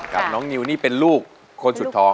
กับน้องนิวนี่เป็นลูกคนสุดท้อง